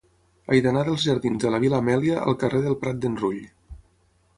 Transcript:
He d'anar dels jardins de la Vil·la Amèlia al carrer del Prat d'en Rull.